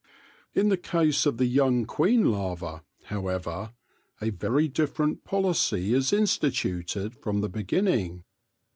In the case of the young queen larva, however, a very different policy is instituted from the begin ning.